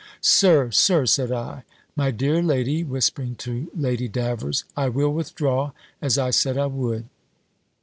"Sir, Sir!" said I "My dear lady," whispering to Lady Davers, "I will withdraw, as I said I would."